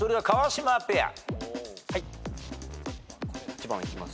１番いきます？